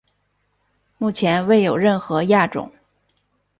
目前未有任何亚种。